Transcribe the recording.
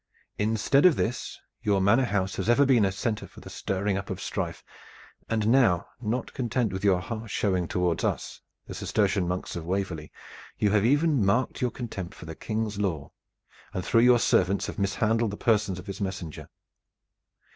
Instead of this, your manor house has ever been a center for the stirring up of strife, and now not content with your harsh showing toward us, the Cistercian monks of Waverley, you have even marked your contempt for the King's law, and through your servants have mishandled the person of his messenger.